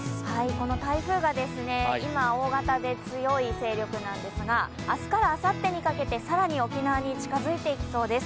この台風が今、大型で強い勢力なんですが、明日からあさってにかけて更に沖縄に近づいていきそうです。